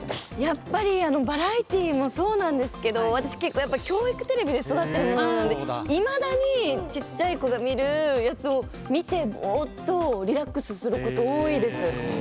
やっぱりバラエティーもそうなんですけど私、教育テレビで育っているのでいまだにちっちゃい子が見るやつを見てリラックスすること多いです。